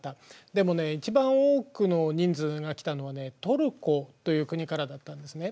でもね一番多くの人数が来たのはねトルコという国からだったんですね。